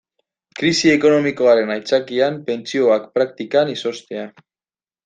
Krisi ekonomikoaren aitzakian pentsioak praktikan izoztea.